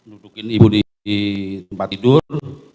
dudukin ibu di tempat tidur